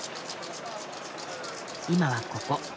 今はここ。